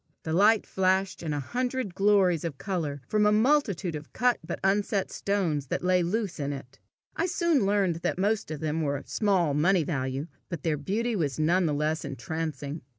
The light flashed in a hundred glories of colour from a multitude of cut but unset stones that lay loose in it. I soon learned that most of them were of small money value, but their beauty was none the less entrancing.